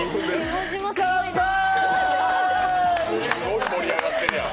すごい盛り上がってるやん。